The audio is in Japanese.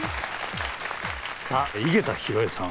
さあ井桁弘恵さん